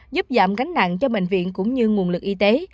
giúp giảm gánh nặng cho bệnh viện cũng như nguồn lực y tế